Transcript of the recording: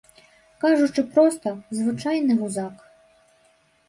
Кажучы проста, звычайны гузак.